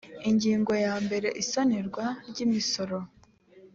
ingingo ya mbere isonerwa ry imisoro